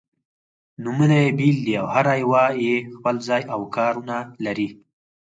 نومونه يې بېل دي او هره یوه یې خپل ځای او کار-ونه لري.